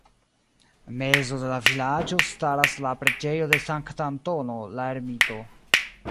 Mezo de la vilaĝo staras la preĝejo de Sankta Antono la Ermito.